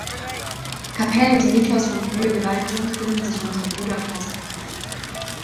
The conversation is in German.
Kapellen, die Niklaus von Flüe geweiht sind, finden sich unter Bruder-Klaus-Kapelle.